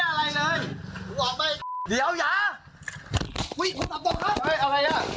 ผมออกไปเดี๋ยวอย่าอุ๊ยโทรศัพท์ต้องครับเอ้ยอะไรอ่ะ